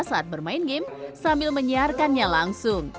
saat bermain game sambil menyiarkannya langsung